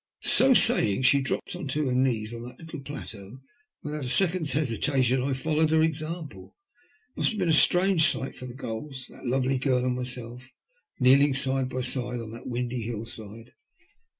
So saying, she dropped on to her knees on that little plateau, and without a second*s hesitation I followed her example. It must have been a strange sight for the gulls, that lovely girl and myself kneeling, side by side, on that windy hillside.